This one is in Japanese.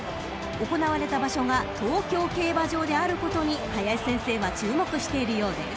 ［行われた場所が東京競馬場であることに林先生は注目しているようです］